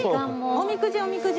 おみくじおみくじ。